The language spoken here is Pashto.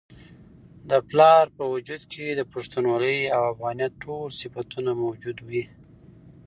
د پلار په وجود کي د پښتونولۍ او افغانیت ټول صفتونه موجود وي.